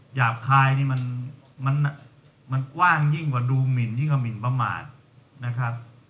หยาบคายนี่มันกว้างยิ่งกว่าดูหมินยิ่งกับหมินประมาทนะครับ